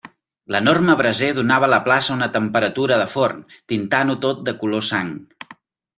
L'enorme braser donava a la plaça una temperatura de forn, tintant-ho tot de color sang.